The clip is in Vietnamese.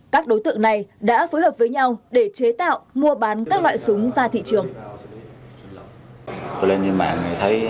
các đối tượng này đã phối hợp với nhau để chế tạo mua bán các loại súng ra thị trường